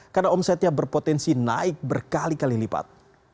karena omsetnya berpotensi naik berkali kali lipat